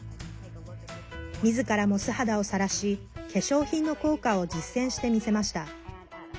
みずからも素肌をさらし化粧品の効果を実践してみせました。